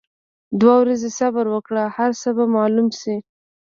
دوه ورځي صبر وکړه هرڅۀ به معلوم شي.